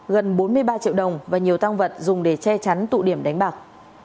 gần bốn mươi ba triệu đồng và nhiều tăng vật dùng để che chắn tụ điểm đánh bạc